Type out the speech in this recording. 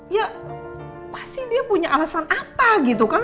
ya pasti dia punya alasan apa gitu kan